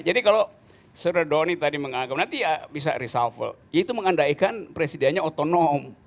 jadi kalau suradoni tadi menganggap nanti bisa risalvel itu mengandaikan presidennya otonom